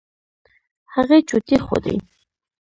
هغې چوټې ښودې.